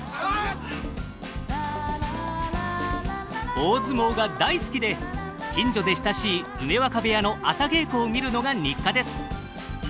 大相撲が大好きで近所で親しい梅若部屋の朝稽古を見るのが日課です。